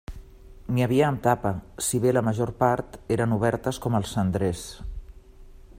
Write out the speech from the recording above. N'hi havia amb tapa, si bé la major part eren obertes com els cendrers.